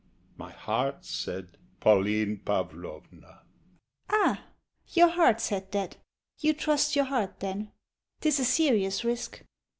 My heart said, "Pauline Pavlovna." SHE. Ah! Your heart said that? You trust your heart, then! 'Tis a serious risk!